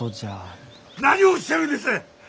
何をおっしゃるんです！